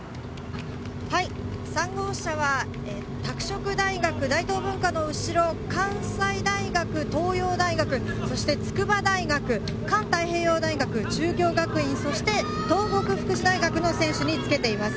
３号車は拓殖大学、大東文化の後ろ、関西大学、東洋大学、そして筑波大学、環太平洋大学、中京学院、そして東北福祉大学の選手につけています。